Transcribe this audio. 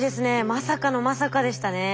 まさかのまさかでしたね。